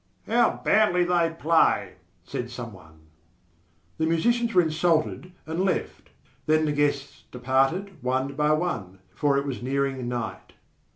"How badly they play!" said some one. The musicians were insulted and left. Then the guests departed one by one, for it was nearing night.